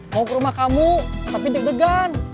mau ke rumah kamu tapi deg degan